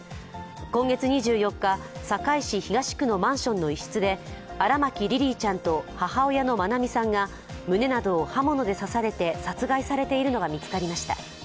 今月２４日、堺市東区のマンションの一室で荒牧リリィちゃんと母親の愛美さんが胸などを刃物で刺されて殺害されているのが見つかりました。